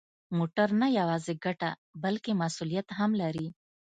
موټر نه یوازې ګټه، بلکه مسؤلیت هم لري.